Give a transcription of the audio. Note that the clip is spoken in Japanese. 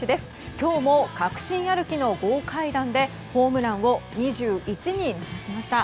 今日も確信歩きの豪快弾でホームランを２１に伸ばしました。